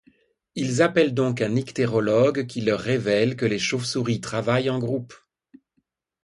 Ils appellent donc un nyctérologue qui leur révèle que les chauves-souris travaillent en groupe.